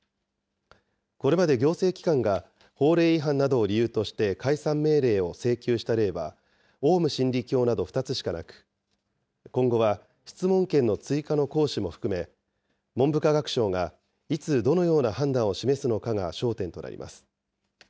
これまで、行政機関が法令違反などを理由として解散命令を請求した例は、オウム真理教など２つしかなく、今後は質問権の追加の行使も含め、文部科学省がいつ、どのような判断を示すのかが焦点となります。